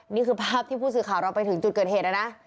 นี่คือภาพที่ผู้สื่อข่าวเราไปถึงจุดเกิดเหตุนะ